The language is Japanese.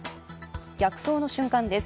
逆走の瞬間です。